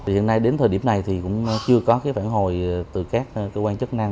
hiện nay đến thời điểm này thì cũng chưa có phản hồi từ các cơ quan chức năng